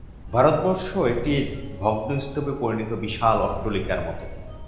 ভারতবর্ষ একটি ভগ্নস্তূপে পরিণত বিশাল অট্টালিকার মত।